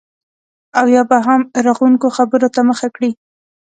او یا به هم رغونکو خبرو ته مخه کړي